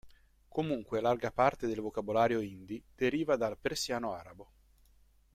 Comunque larga parte del vocabolario hindi deriva dal persiano-arabo.